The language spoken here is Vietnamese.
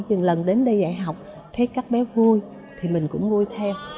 mỗi lần đến đây dạy học thấy các bé vui thì mình cũng vui thêm